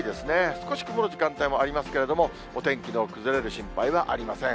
少し曇る時間帯もありますけれども、お天気の崩れる心配はありません。